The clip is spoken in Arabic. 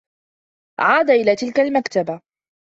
عاد إلى تلك المكتبة.